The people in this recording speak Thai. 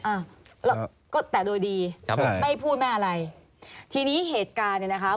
อ่าแล้วก็แต่โดยดีครับผมไม่พูดไม่อะไรทีนี้เหตุการณ์เนี้ยนะคะ